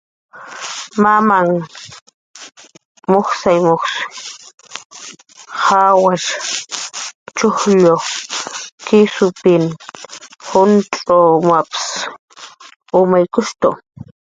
Mamanhq mujsay mujs jawasha, chujllu, kisupin juncx'umas umt'aykutu.